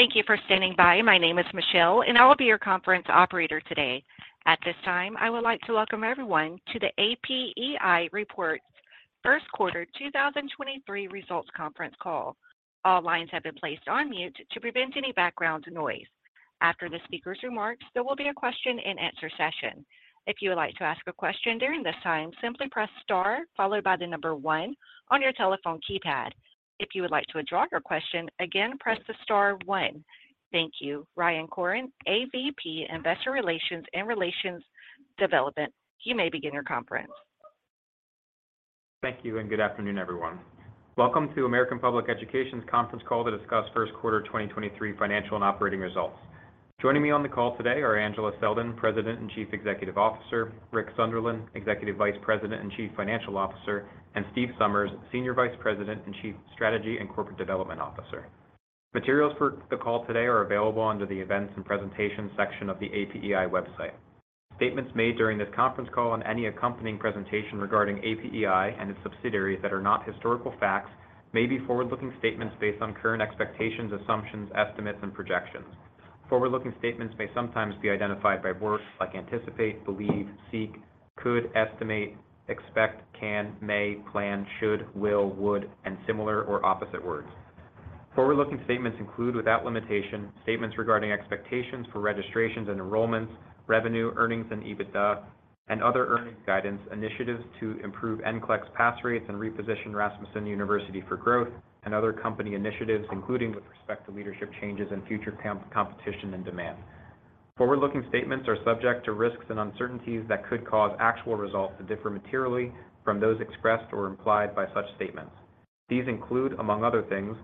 Thank you for standing by. My name is Michelle, and I will be your conference operator today. At this time, I would like to welcome everyone to the APEI Reports first quarter 2023 results conference call. All lines have been placed on mute to prevent any background noise. After the speaker's remarks, there will be a question-and-answer session. If you would like to ask a question during this time, simply press star followed by the number one on your telephone keypad. If you would like to withdraw your question, again, press the star one. Thank you. Ryan Koren, AVP, Investor Relations and Relations Development, you may begin your conference. Thank you and good afternoon, everyone. Welcome to American Public Education's conference call to discuss first quarter 2023 financial and operating results. Joining me on the call today are Angela Selden, President and Chief Executive Officer, Rick Sunderland, Executive Vice President and Chief Financial Officer, and Steve Somers, Senior Vice President and Chief Strategy and Corporate Development Officer. Materials for the call today are available under the Events and Presentation section of the APEI website. Statements made during this conference call and any accompanying presentation regarding APEI and its subsidiaries that are not historical facts may be forward-looking statements based on current expectations, assumptions, estimates, and projections. Forward-looking statements may sometimes be identified by words like anticipate, believe, seek, could, estimate, expect, can, may, plan, should, will, would, and similar or opposite words. Forward-looking statements include, without limitation, statements regarding expectations for registrations and enrollments, revenue, earnings, and EBITDA, and other earnings guidance initiatives to improve NCLEX pass rates and reposition Rasmussen University for growth and other company initiatives, including with respect to leadership changes and future competition and demand. Forward-looking statements are subject to risks and uncertainties that could cause actual results to differ materially from those expressed or implied by such statements. These include, among other things,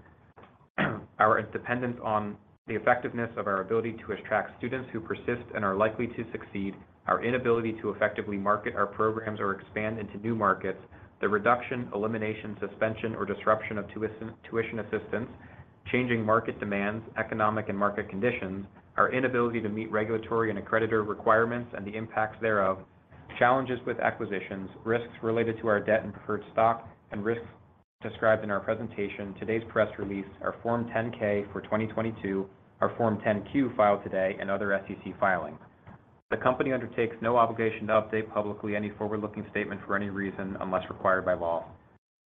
our dependence on the effectiveness of our ability to attract students who persist and are likely to succeed, our inability to effectively market our programs or expand into new markets, the reduction, elimination, suspension, or disruption of tuition assistance, changing market demands, economic and market conditions, our inability to meet regulatory and accreditor requirements and the impacts thereof, challenges with acquisitions, risks related to our debt and preferred stock, and risks described in our presentation, today's press release, our Form 10-K for 2022, our Form 10-Q filed today, and other SEC filings. The company undertakes no obligation to update publicly any forward-looking statement for any reason unless required by law.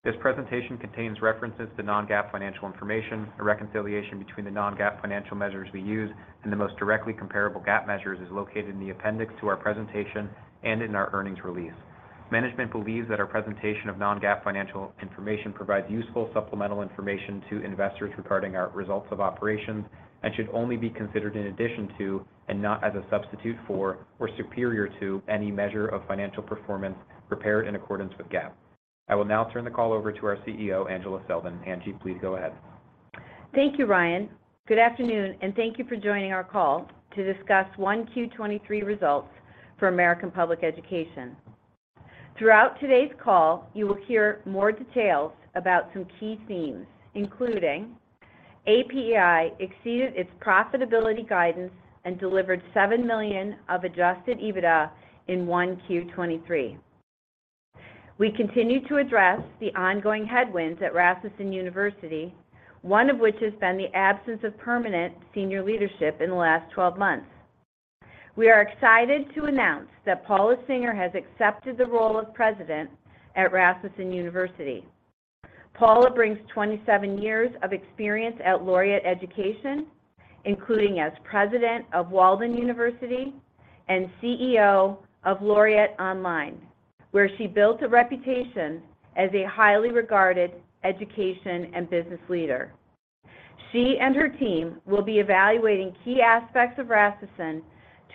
This presentation contains references to non-GAAP financial information. A reconciliation between the non-GAAP financial measures we use and the most directly comparable GAAP measures is located in the appendix to our presentation and in our earnings release. Management believes that our presentation of non-GAAP financial information provides useful supplemental information to investors regarding our results of operations and should only be considered in addition to and not as a substitute for or superior to any measure of financial performance prepared in accordance with GAAP. I will now turn the call over to our CEO, Angela Selden. Angie, please go ahead. Thank you, Ryan. Good afternoon, and thank you for joining our call to discuss 1Q 2023 results for American Public Education. Throughout today's call, you will hear more details about some key themes, including APEI exceeded its profitability guidance and delivered $7 million of adjusted EBITDA in 1Q 2023. We continue to address the ongoing headwinds at Rasmussen University, one of which has been the absence of permanent senior leadership in the last 12 months. We are excited to announce that Paula Singer has accepted the role of President at Rasmussen University. Paula brings 27 years of experience at Laureate Education, including as President of Walden University and CEO of Laureate Online, where she built a reputation as a highly regarded education and business leader. She and her team will be evaluating key aspects of Rasmussen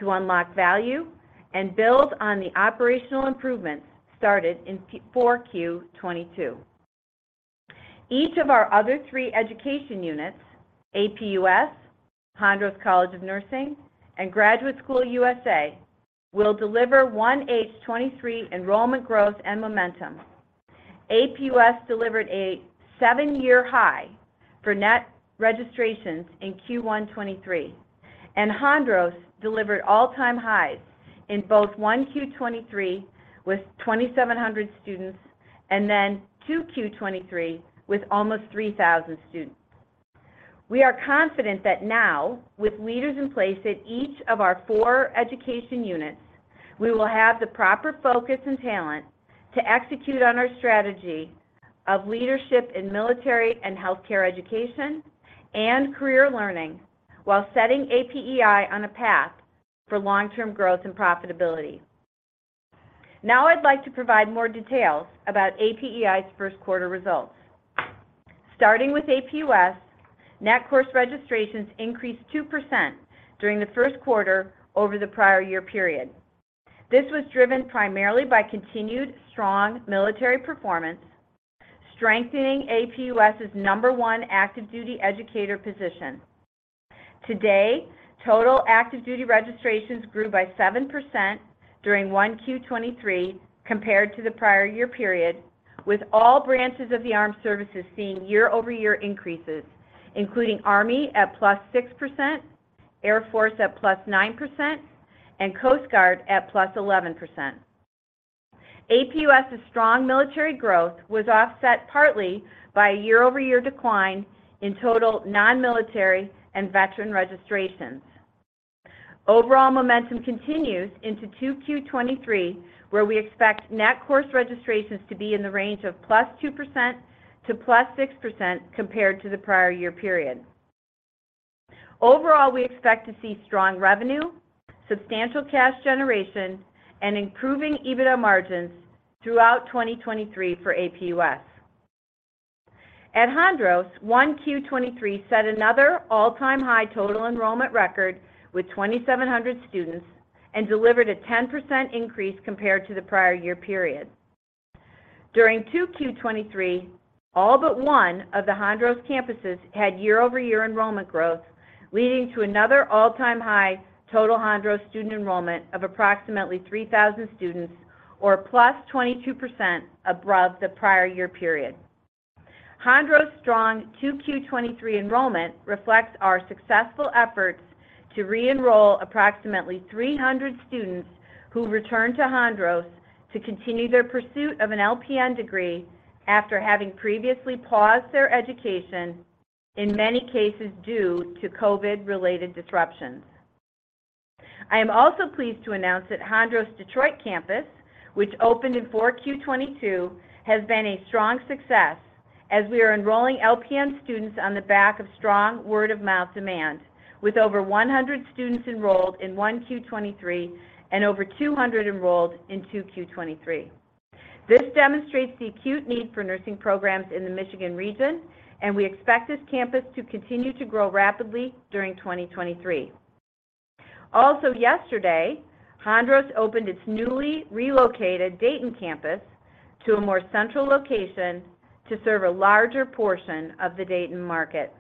to unlock value and build on the operational improvements started in 4Q 2022. Each of our other three education units, APUS, Hondros College of Nursing, and Graduate School USA, will deliver 1H 2023 enrollment growth and momentum. APUS delivered a seven-year high for net registrations in Q1 2023. Hondros delivered all-time highs in both 1Q 2023 with 2,700 students and then 2Q 2023 with almost 3,000 students. We are confident that now, with leaders in place at each of our four education units, we will have the proper focus and talent to execute on our strategy of leadership in military and healthcare education and career learning while setting APEI on a path for long-term growth and profitability. I'd like to provide more details about APEI's first quarter results. Starting with APUS, net course registrations increased 2% during the first quarter over the prior year period. This was driven primarily by continued strong military performance, strengthening APUS's number one active duty educator position. Today, total active duty registrations grew by 7% during 1Q 2023 compared to the prior year period, with all branches of the armed services seeing year-over-year increases, including Army at +6%, Air Force at +9%, and Coast Guard at +11%. APUS' strong military growth was offset partly by a year-over-year decline in total non-military and veteran registrations. Overall momentum continues into 2Q23, where we expect net course registrations to be in the range of +2% to +6% compared to the prior year period. Overall, we expect to see strong revenue, substantial cash generation, and improving EBITDA margins throughout 2023 for APUS. At Hondros, 1Q 2023 set another all-time high total enrollment record with 2,700 students and delivered a 10% increase compared to the prior year period. During 2Q 2023, all but one of the Hondros campuses had year-over-year enrollment growth, leading to another all-time high total Hondros student enrollment of approximately 3,000 students or +22% above the prior year period. Hondros' strong 2Q 2023 enrollment reflects our successful efforts to re-enroll approximately 300 students who returned to Hondros to continue their pursuit of an LPN degree after having previously paused their education, in many cases due to COVID-related disruptions. I am also pleased to announce that Hondros Detroit campus, which opened in 4Q 2022, has been a strong success as we are enrolling LPN students on the back of strong word-of-mouth demand, with over 100 students enrolled in 1Q 2023 and over 200 enrolled in 2Q 2023. This demonstrates the acute need for nursing programs in the Michigan region, and we expect this campus to continue to grow rapidly during 2023. Also yesterday, Hondros opened its newly relocated Dayton campus to a more central location to serve a larger portion of the Dayton market.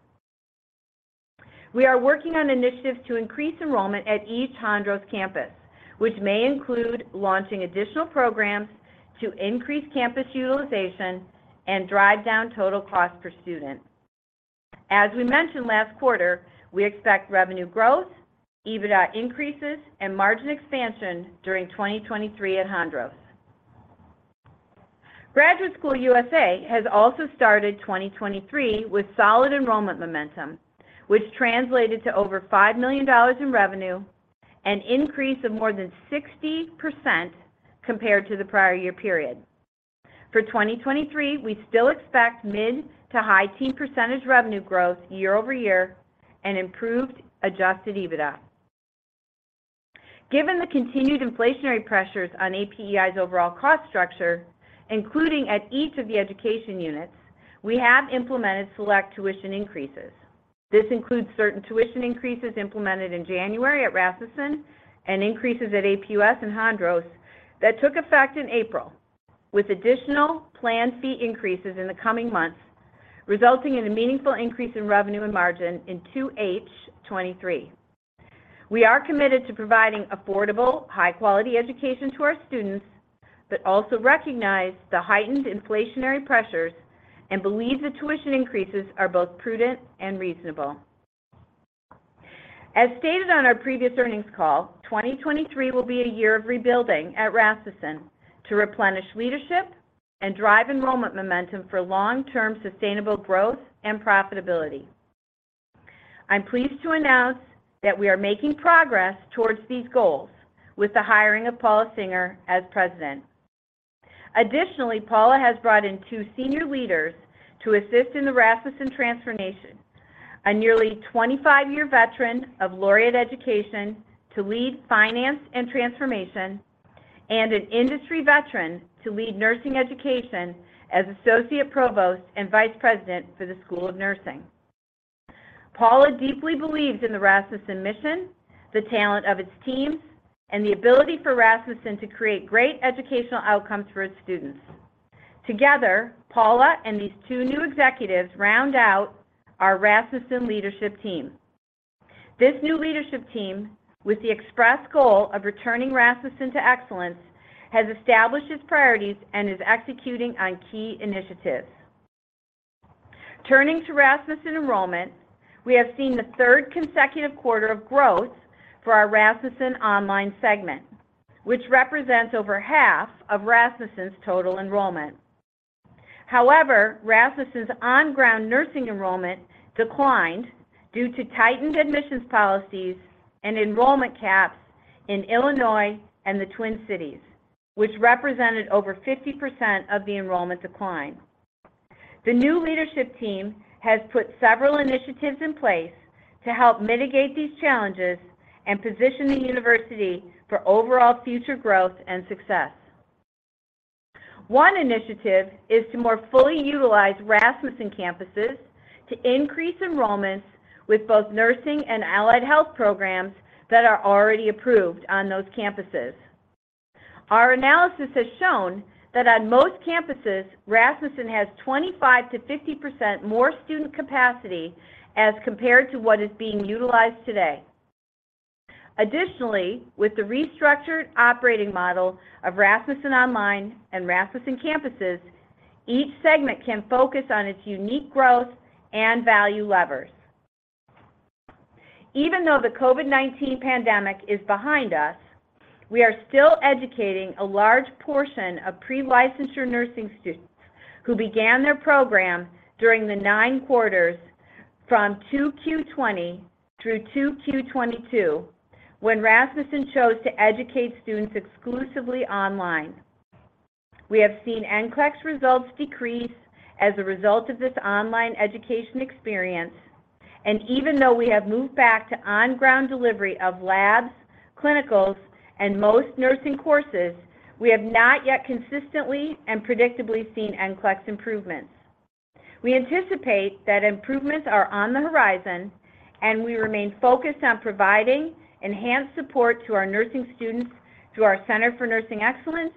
We are working on initiatives to increase enrollment at each Hondros campus, which may include launching additional programs to increase campus utilization and drive down total cost per student. As we mentioned last quarter, we expect revenue growth, EBITDA increases, and margin expansion during 2023 at Hondros. Graduate School USA has also started 2023 with solid enrollment momentum, which translated to over $5 million in revenue, an increase of more than 60% compared to the prior year period. For 2023, we still expect mid to high teen % revenue growth year-over-year and improved adjusted EBITDA. Given the continued inflationary pressures on APEI's overall cost structure, including at each of the education units, we have implemented select tuition increases. This includes certain tuition increases implemented in January at Rasmussen and increases at APUS and Hondros that took effect in April, with additional planned fee increases in the coming months, resulting in a meaningful increase in revenue and margin in 2H 2023. We are committed to providing affordable, high-quality education to our students, but also recognize the heightened inflationary pressures and believe the tuition increases are both prudent and reasonable. As stated on our previous earnings call, 2023 will be a year of rebuilding at Rasmussen to replenish leadership and drive enrollment momentum for long-term sustainable growth and profitability. I'm pleased to announce that we are making progress towards these goals with the hiring of Paula Singer as president. Paula has brought in two senior leaders to assist in the Rasmussen transformation, a nearly 25-year veteran of Laureate Education to lead finance and transformation, and an industry veteran to lead nursing education as Associate Provost and Vice President for the School of Nursing. Paula deeply believes in the Rasmussen mission, the talent of its teams, and the ability for Rasmussen to create great educational outcomes for its students. Together, Paula and these two new executives round out our Rasmussen leadership team. This new leadership team, with the express goal of returning Rasmussen to excellence, has established its priorities and is executing on key initiatives. Turning to Rasmussen enrollment, we have seen the third consecutive quarter of growth for our Rasmussen Online segment, which represents over half of Rasmussen's total enrollment. Rasmussen's on-ground nursing enrollment declined due to tightened admissions policies and enrollment caps in Illinois and the Twin Cities, which represented over 50% of the enrollment decline. The new leadership team has put several initiatives in place to help mitigate these challenges and position the university for overall future growth and success. One initiative is to more fully utilize Rasmussen campuses to increase enrollments with both nursing and allied health programs that are already approved on those campuses. Our analysis has shown that on most campuses, Rasmussen has 25%-50% more student capacity as compared to what is being utilized today. Additionally, with the restructured operating model of Rasmussen Online and Rasmussen campuses, each segment can focus on its unique growth and value levers. Even though the COVID-19 pandemic is behind us, we are still educating a large portion of pre-licensure nursing students who began their program during the nine quarters from 2Q 2020 through 2Q 2022 when Rasmussen chose to educate students exclusively online. We have seen NCLEX results decrease as a result of this online education experience. Even though we have moved back to on-ground delivery of labs, clinicals, and most nursing courses, we have not yet consistently and predictably seen NCLEX improvements. We anticipate that improvements are on the horizon, and we remain focused on providing enhanced support to our nursing students through our Center for Nursing Excellence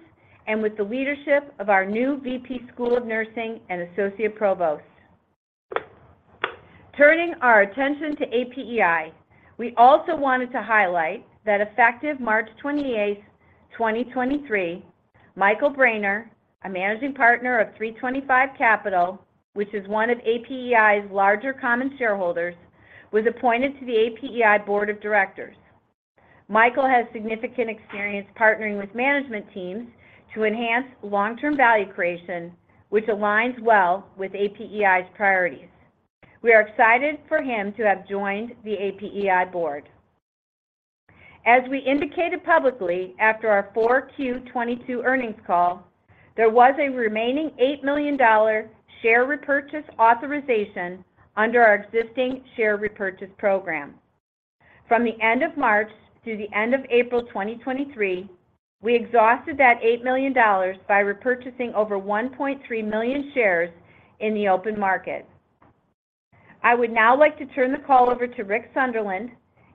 and with the leadership of our new VP School of Nursing and Associate Provost. Turning our attention to APEI, we also wanted to highlight that effective March 28, 2023, Michael Braner, a managing partner of 325 Capital LLC, which is one of APEI's larger common shareholders, was appointed to the APEI Board of Directors. Michael has significant experience partnering with management teams to enhance long-term value creation, which aligns well with APEI's priorities. We are excited for him to have joined the APEI board. As we indicated publicly after our 4Q 2022 earnings call, there was a remaining $8 million share repurchase authorization under our existing share repurchase program. From the end of March through the end of April 2023, we exhausted that $8 million by repurchasing over 1.3 million shares in the open market. I would now like to turn the call over to Rick Sunderland,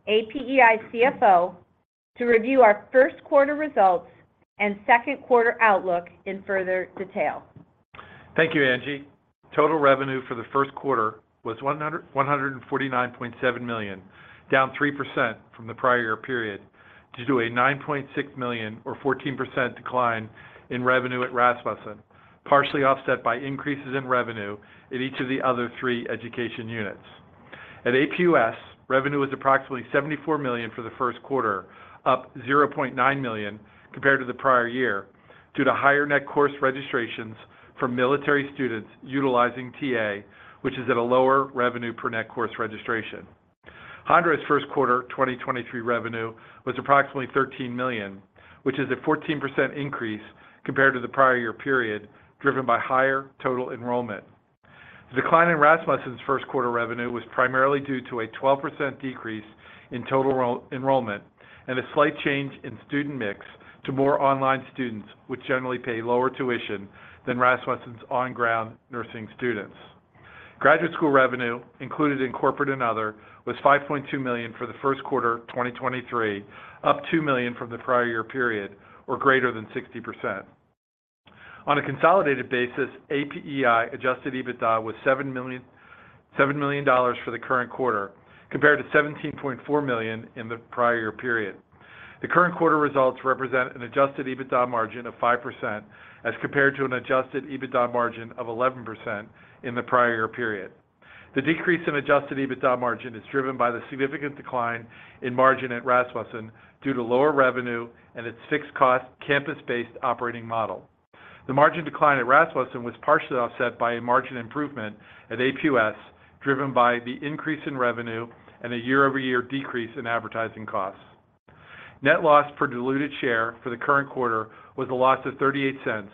APEI's CFO, to review our first quarter results and second quarter outlook in further detail. Thank you, Angie. Total revenue for the first quarter was $149.7 million, down 3% from the prior year period due to a $9.6 million or 14% decline in revenue at Rasmussen, partially offset by increases in revenue in each of the other three education units. At APUS, revenue was approximately $74 million for the first quarter, up $0.9 million compared to the prior year due to higher net course registrations from military students utilizing TA, which is at a lower revenue per net course registration. Hondros' first quarter 2023 revenue was approximately $13 million, which is a 14% increase compared to the prior year period, driven by higher total enrollment. The decline in Rasmussen's first quarter revenue was primarily due to a 12% decrease in total enrollment and a slight change in student mix to more online students, which generally pay lower tuition than Rasmussen's on-ground nursing students. Graduate School revenue, included in corporate and other, was $5.2 million for the first quarter 2023, up $2 million from the prior year period, or greater than 60%. On a consolidated basis, APEI adjusted EBITDA was $7 million for the current quarter compared to $17.4 million in the prior period. The current quarter results represent an adjusted EBITDA margin of 5% as compared to an adjusted EBITDA margin of 11% in the prior period. The decrease in adjusted EBITDA margin is driven by the significant decline in margin at Rasmussen due to lower revenue and its fixed-cost, campus-based operating model. The margin decline at Rasmussen was partially offset by a margin improvement at APUS, driven by the increase in revenue and a year-over-year decrease in advertising costs. Net loss per diluted share for the current quarter was a loss of $0.38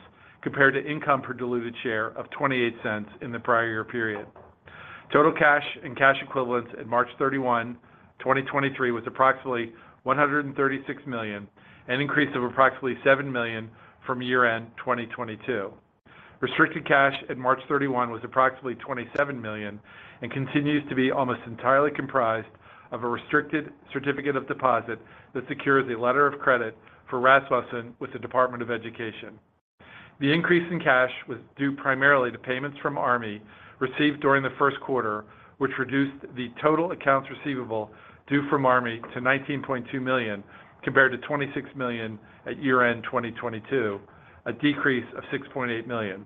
compared to income per diluted share of $0.28 in the prior year period. Total cash and cash equivalents at March 31, 2023, was approximately $136 million, an increase of approximately $7 million from year-end 2022. Restricted cash at March 31 was approximately $27 million and continues to be almost entirely comprised of a restricted certificate of deposit that secures a letter of credit for Rasmussen with the Department of Education. The increase in cash was due primarily to payments from Army received during the first quarter, which reduced the total accounts receivable due from Army to $19.2 million compared to $26 million at year-end 2022, a decrease of $6.8 million.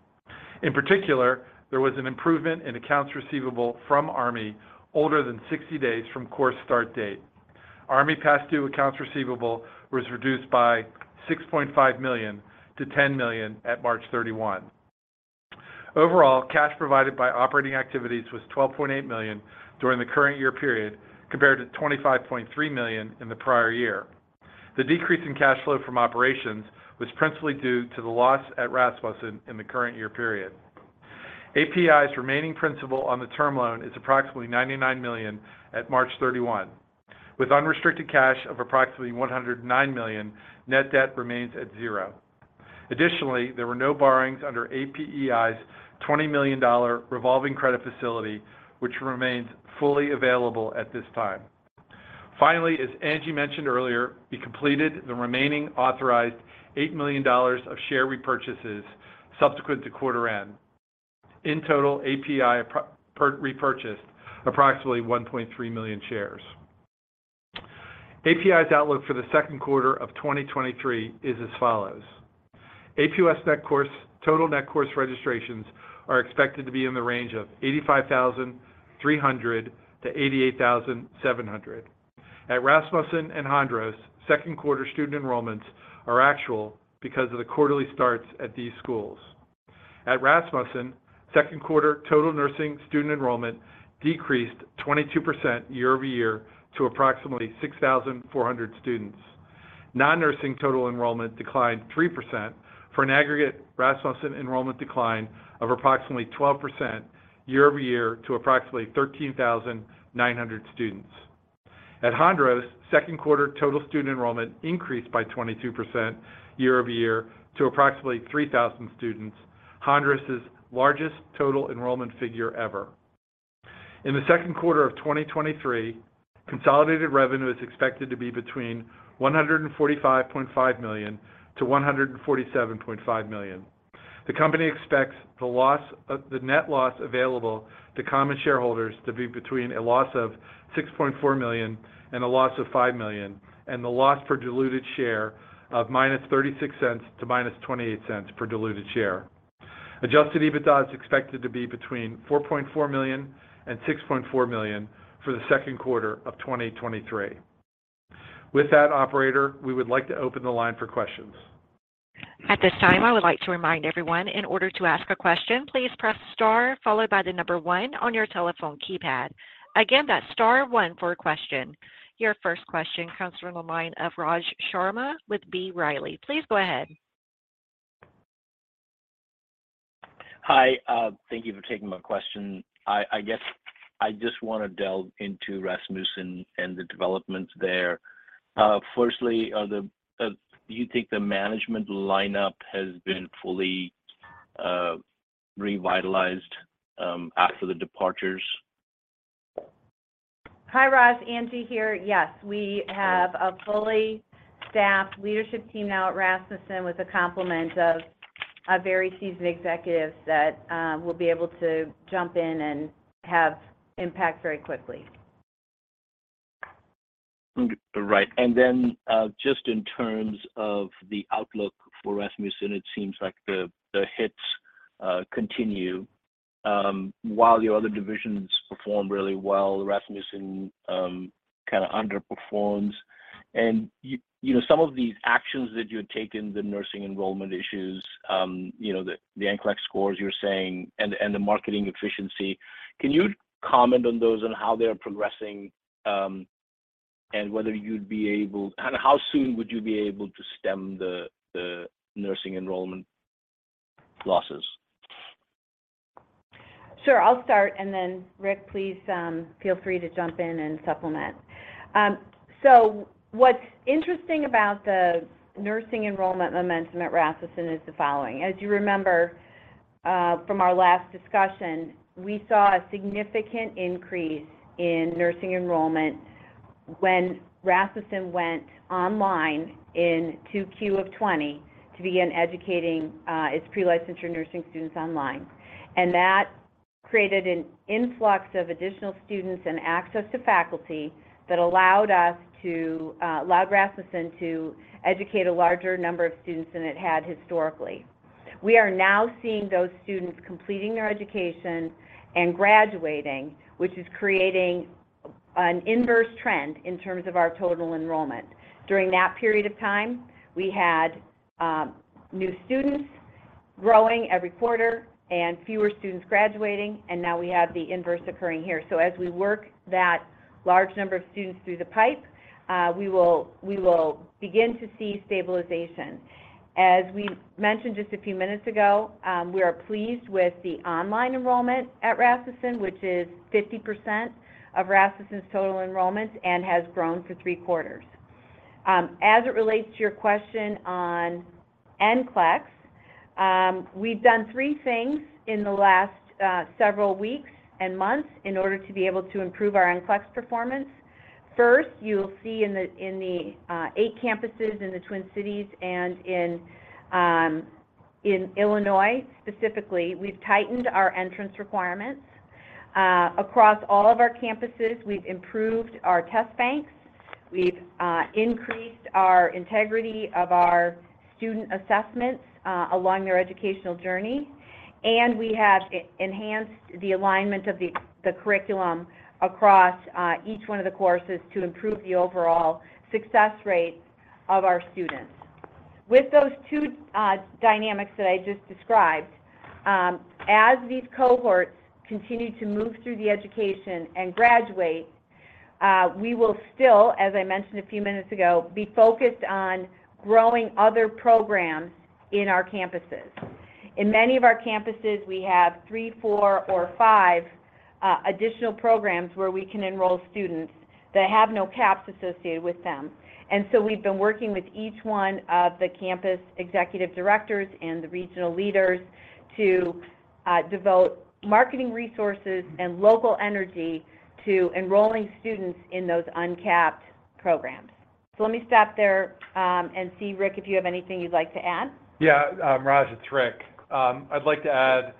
In particular, there was an improvement in accounts receivable from Army older than 60 days from course start date. Army past due accounts receivable was reduced by $6.5 million to $10 million at March 31. Overall, cash provided by operating activities was $12.8 million during the current year period compared to $25.3 million in the prior year. The decrease in cash flow from operations was principally due to the loss at Rasmussen in the current year period. APEI's remaining principal on the term loan is approximately $99 million at March 31. With unrestricted cash of approximately $109 million, net debt remains at zero. There were no borrowings under APEI's $20 million revolving credit facility, which remains fully available at this time. As Angie mentioned earlier, we completed the remaining authorized $8 million of share repurchases subsequent to quarter end. APEI repurchased approximately 1.3 million shares. APEI's outlook for the second quarter of 2023 is as follows: APUS total net course registrations are expected to be in the range of 85,300-88,700. At Rasmussen and Hondros, second quarter student enrollments are actual because of the quarterly starts at these schools. At Rasmussen, second quarter total nursing student enrollment decreased 22% year-over-year to approximately 6,400 students. Non-nursing total enrollment declined 3% for an aggregate Rasmussen enrollment decline of approximately 12% year-over-year to approximately 13,900 students. At Hondros, second quarter total student enrollment increased by 22% year-over-year to approximately 3,000 students, Hondros' largest total enrollment figure ever. In the second quarter of 2023, consolidated revenue is expected to be between $145.5 million to $147.5 million. The company expects the net loss available to common shareholders to be between a loss of $6.4 million and a loss of $5 million, and the loss per diluted share of -$0.36 to -$0.28 per diluted share. Adjusted EBITDA is expected to be between $4.4 million and $6.4 million for the second quarter of 2023. With that, operator, we would like to open the line for questions. At this time, I would like to remind everyone, in order to ask a question, please press star followed by the one on your telephone keypad. Again, that's star one for a question. Your first question comes from the line of Raj Sharma with B. Riley. Please go ahead. Hi, thank you for taking my question. I guess I just wanna delve into Rasmussen and the developments there. Firstly, do you think the management lineup has been fully revitalized after the departures? Hi, Raj. Angie here. Yes, we have a fully staffed leadership team now at Rasmussen with a complement of a very seasoned executives that will be able to jump in and have impact very quickly. Right. Just in terms of the outlook for Rasmussen, it seems like the hits continue. While your other divisions perform really well, Rasmussen kinda underperforms. You know, some of these actions that you had taken, the nursing enrollment issues, you know, the NCLEX scores, you're saying, and the marketing efficiency. Can you comment on those and how they are progressing, how soon would you be able to stem the nursing enrollment losses? Sure. I'll start, then Rick, please, feel free to jump in and supplement. What's interesting about the nursing enrollment momentum at Rasmussen is the following. As you remember, from our last discussion, we saw a significant increase in nursing enrollment when Rasmussen went online in 2Q of 2020 to begin educating its pre-licensure nursing students online. That created an influx of additional students and access to faculty that allowed us to allowed Rasmussen to educate a larger number of students than it had historically. We are now seeing those students completing their education and graduating, which is creating an inverse trend in terms of our total enrollment. During that period of time, we had new students growing every quarter and fewer students graduating, and now we have the inverse occurring here. As we work that large number of students through the pipe, we will begin to see stabilization. As we mentioned just a few minutes ago, we are pleased with the online enrollment at Rasmussen, which is 50% of Rasmussen's total enrollment and has grown for three quarters. As it relates to your question on NCLEX, we've done three things in the last several weeks and months in order to be able to improve our NCLEX performance. First, you'll see in the eight campuses in the Twin Cities and in Illinois, specifically, we've tightened our entrance requirements. Across all of our campuses, we've improved our test banks. We've increased our integrity of our student assessments along their educational journey, and we have enhanced the alignment of the curriculum across each one of the courses to improve the overall success rates of our students. With those two dynamics that I just described, as these cohorts continue to move through the education and graduate, we will still, as I mentioned a few minutes ago, be focused on growing other programs in our campuses. In many of our campuses, we have three, four, or five additional programs where we can enroll students that have no caps associated with them. We've been working with each one of the campus executive directors and the regional leaders to devote marketing resources and local energy to enrolling students in those uncapped programs. Let me stop there, and see, Rick, if you have anything you'd like to add. Raj, it's Rick. I'd like to add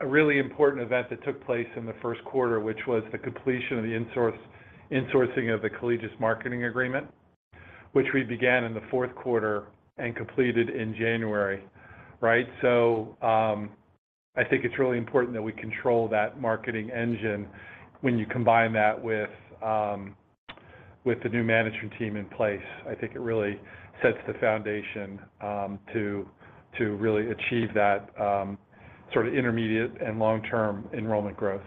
a really important event that took place in the first quarter, which was the completion of the insourcing of the Collegis marketing agreement, which we began in the fourth quarter and completed in January. Right? I think it's really important that we control that marketing engine when you combine that with the new management team in place. I think it really sets the foundation to really achieve that sort of intermediate and long-term enrollment growth.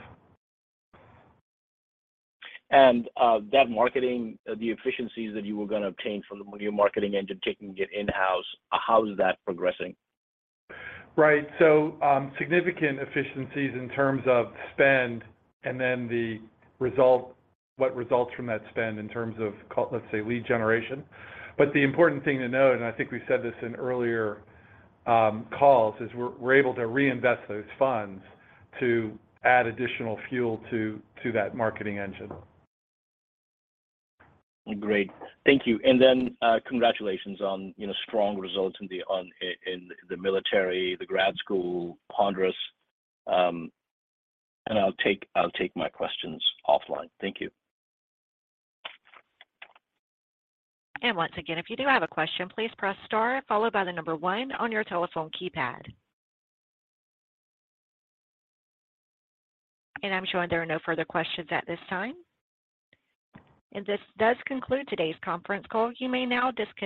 That marketing, the efficiencies that you were gonna obtain from the new marketing engine, taking it in-house, how is that progressing? Right. significant efficiencies in terms of spend and then the result, what results from that spend in terms of let's say, lead generation. The important thing to note, and I think we said this in earlier calls, is we're able to reinvest those funds to add additional fuel to that marketing engine. Great. Thank you. Then, congratulations on, you know, strong results in the military, the grad school, Hondros. I'll take my questions offline. Thank you. Once again, if you do have a question, please press star followed by the one on your telephone keypad. I'm showing there are no further questions at this time. This does conclude today's conference call. You may now disconnect.